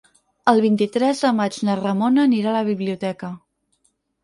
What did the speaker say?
El vint-i-tres de maig na Ramona anirà a la biblioteca.